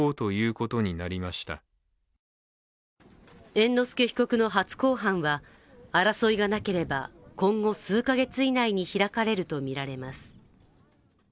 猿之助被告の初公判は、争いがなければ今後数か月以内に開かれるとみられます。